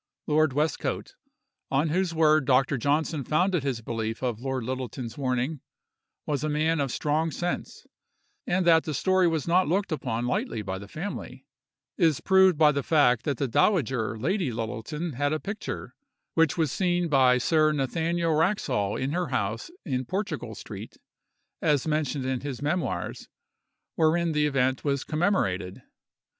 Lord Westcote, on whose word Dr. Johnson founded his belief of Lord Littleton's warning, was a man of strong sense; and that the story was not looked upon lightly by the family, is proved by the fact that the dowager Lady Littleton had a picture—which was seen by Sir Nathaniel Wraxhall in her house in Portugal street, as mentioned in his memoirs—wherein the event was commemorated.